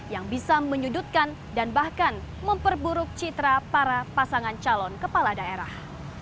yang bisa menyudutkan dan bahkan memperburuk citra para pasangan calon kepala daerah